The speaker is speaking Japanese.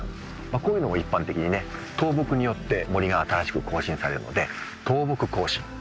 こういうのを一般的にね倒木によって森が新しく更新されるので倒木更新